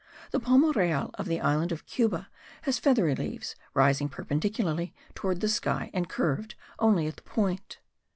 The palma real of the island of Cuba has feathery leaves rising perpendicularly towards the sky, and curved only at the point.